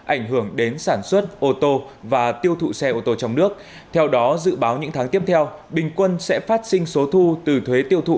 ảnh hưởng đến sản xuất ô tô và tiêu thụ xe ô tô trong nước theo đó dự báo những tháng tiếp theo bình quân sẽ phát sinh số thu từ thuế tiêu thụ